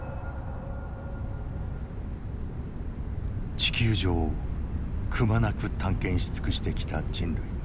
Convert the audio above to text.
地球上をくまなく探検し尽くしてきた人類。